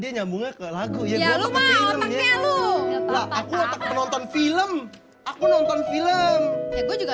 nyambungnya ke lagu ya lu mautaknya lu nonton film aku nonton film ya gue juga